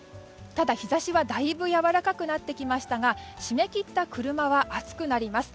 ただ、日差しはだいぶやわらかくなってきましたが閉め切った車は暑くなります。